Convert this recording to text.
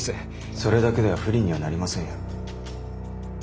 それだけでは不利にはなりませんよ。